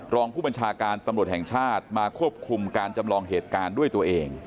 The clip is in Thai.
รองผู้บัญชาการตำรวจแห่งชาติมาควบคุมการจำลองเหตุการณ์ด้วยตัวเอง